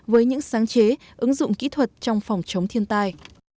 với những sáng chế ứng dụng kỹ thuật trong phòng chống thiên tai